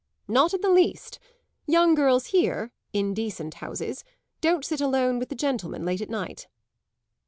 "Not in the least. Young girls here in decent houses don't sit alone with the gentlemen late at night."